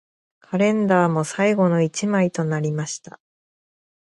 カレンダーも最後の一枚となりました